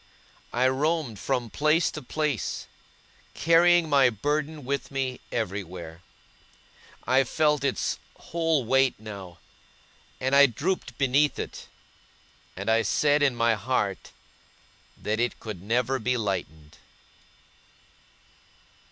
I roamed from place to place, carrying my burden with me everywhere. I felt its whole weight now; and I drooped beneath it, and I said in my heart that it could never be lightened.